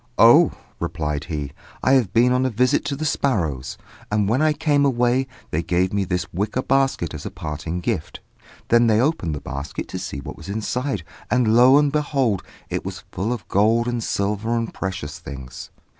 "Oh!" replied he, "I have been on a visit to the sparrows; and when I came away, they gave me this wicker basket as a parting gift." Then they opened the basket to see what was inside, and, lo and behold! it was full of gold and silver and precious things.